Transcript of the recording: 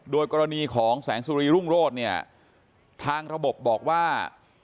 โดยกรณีของแสงสุรีรุ่งโรธเนี่ยทางระบบบอกว่า